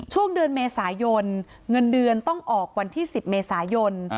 ช่วงเดือนเมษายนเงินเดือนต้องออกวันที่๑๐เมษายน